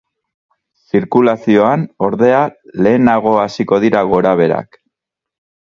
Zirkulazioan, ordea, lehenago hasiko dira gorabeherak.